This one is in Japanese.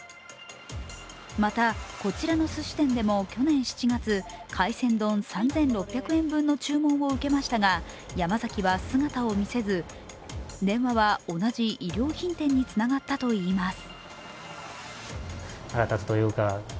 また、こちらのすし店でも去年７月、海鮮丼３６００円分の注文を受けましたがヤマザキは姿を見せず電話は同じ衣料品店につながったといいます。